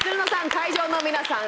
会場の皆さん